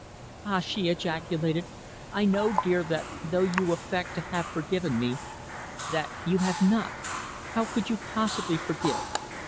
"Ah!" she ejaculated. "I know, dear, that though you affect to have forgiven me that you have not. How could you possibly forgive?"